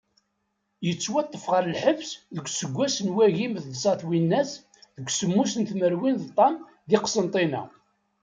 Yettwaṭṭef ɣer lḥebs deg useggas n wagim d tẓa twinas d semmus tmerwin d ṭam di Qsentina.